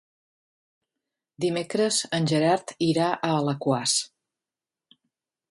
Dimecres en Gerard irà a Alaquàs.